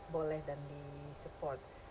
boleh dan disupport